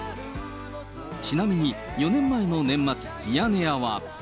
ちなみに４年前の年末、ミヤネ屋は。